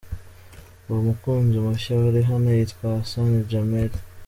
Uwo mukunzi mushya wa Rihanna yitwa Hasani Jameli.